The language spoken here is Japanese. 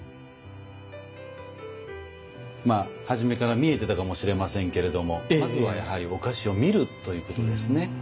まあ初めから見えてたかもしれませんけれどもまずはやはりお菓子を「見る」ということですね。